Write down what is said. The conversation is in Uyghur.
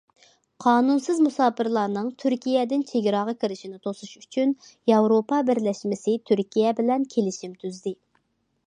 قانۇنسىز مۇساپىرلارنىڭ تۈركىيەدىن چېگراغا كىرىشىنى توسۇش ئۈچۈن ياۋروپا بىرلەشمىسى تۈركىيە بىلەن كېلىشىم تۈزدى.